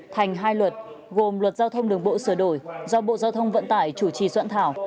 thành hai luật gồm luật giao thông đường bộ sửa đổi do bộ giao thông vận tải chủ trì soạn thảo